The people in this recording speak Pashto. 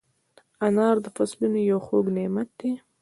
انار د فصلونو یو خوږ نعمت دی.